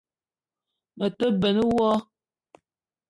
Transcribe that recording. Me te benn wo